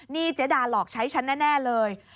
นี่เจดาหลอกใช้ฉันแน่เลย